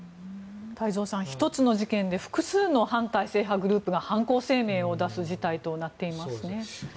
太蔵さん、１つの事件で複数の反体制派グループが犯行声明を出す事態となっています。